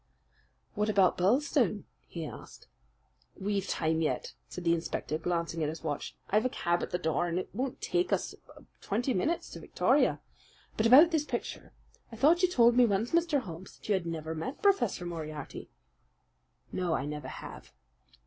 "What about Birlstone?" he asked. "We've time yet," said the inspector, glancing at his watch. "I've a cab at the door, and it won't take us twenty minutes to Victoria. But about this picture: I thought you told me once, Mr. Holmes, that you had never met Professor Moriarty." "No, I never have."